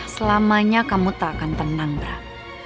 selamanya kamu tak akan tenang bram